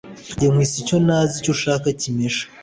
Jye nkwise icyontaziIcyo ushaka kimashe